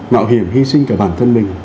mạo hiểm hy sinh cả bản thân mình